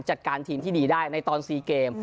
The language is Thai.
จัดการทีมที่ดีได้ในตอน๔เกม